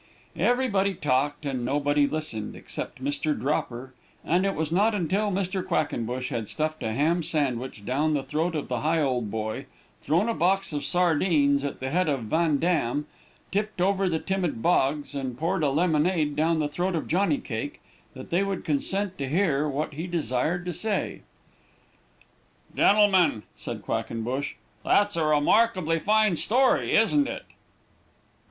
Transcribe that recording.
Everybody talked and nobody listened, except Mr. Dropper, and it was not until Mr. Quackenbush had stuffed a ham sandwich down the throat of the Higholdboy, thrown a box of sardines at the head of Van Dam, tipped over the timid Boggs, and poured a lemonade down the throat of Johnny Cake, that they would consent to hear what he desired to say. "Gentlemen," said Quackenbush, "that's a remarkably fine story, isn't it?"